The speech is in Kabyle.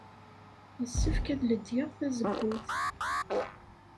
Yessefk ad ledyeɣ tazewwut.